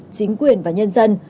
chính quyền và nhân dân